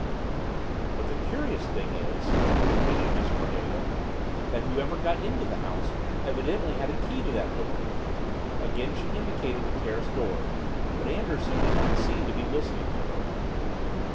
"But the curious thing is," continued Miss Cornelia, "that whoever got into the house evidently had a key to that door." Again she indicated the terrace door, but Anderson did not seem to be listening to her.